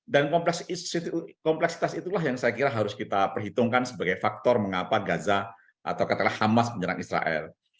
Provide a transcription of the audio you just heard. dan kompleksitas itulah yang saya kira harus kita perhitungkan sebagai faktor mengapa gaza atau katakanlah hamas menyerang israel